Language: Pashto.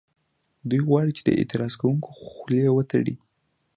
دوی غواړي چې د اعتراض کوونکو خولې وتړي